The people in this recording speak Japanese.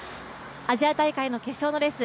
アジア大会の決勝のレース